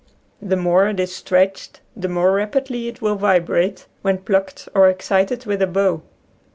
The more it is stretched the more rapidly it will vibrate, when plucked or excited with a bow.